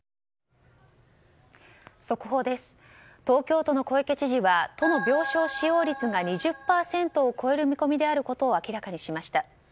東京都の小池知事は都の病床使用率が２０％を超える見込みであることを明らかにしました。